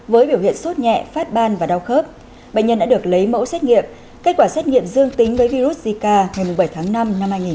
với biểu hiện sốt nhẹ phát ban và đau khớp bệnh nhân đã được lấy mẫu xét nghiệm kết quả xét nghiệm dương tính với virus zika ngày bảy tháng năm năm hai nghìn một mươi chín